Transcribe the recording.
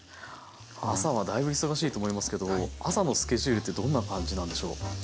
朝はだいぶ忙しいと思いますけど朝のスケジュールってどんな感じなんでしょう？